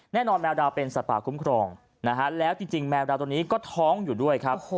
แมวดาวเป็นสัตว์ป่าคุ้มครองนะฮะแล้วจริงแมวดาวตัวนี้ก็ท้องอยู่ด้วยครับ